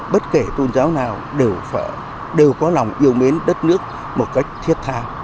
bất kể tôn giáo nào đều có lòng yêu mến đất nước một cách thiết tha